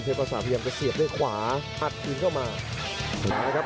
เทพภาษาพยายามจะเสียบด้วยขวาอัดอิงเข้ามามานะครับ